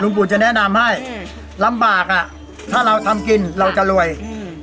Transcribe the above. ปู่จะแนะนำให้อืมลำบากอ่ะถ้าเราทำกินเราจะรวยอืม